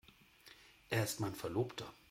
Er ist mein Verlobter.